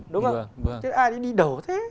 đúng không chứ ai đi đổ thế